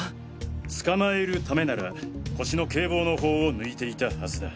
捕まえるためなら腰の警棒のほうを抜いていたはずだ。